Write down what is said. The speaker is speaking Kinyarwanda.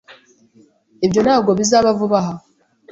Ibyo ntabwo bizaba vuba aha.